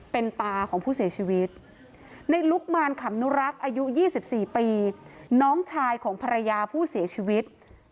เป็นตาของผู้เสียชีวิตในลุกมารขำนุรักษ์อายุ๒๔ปีน้องชายของภรรยาผู้เสียชีวิต